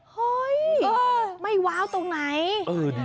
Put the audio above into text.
เฮ้ยไม่ว้าวตรงไหน